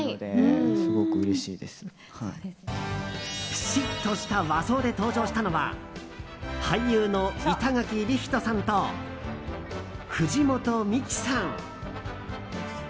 ピシッとした和装で登場したのは俳優の板垣李光人さんと藤本美貴さん。